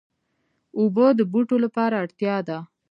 اوبه د بوټو لپاره اړتیا ده.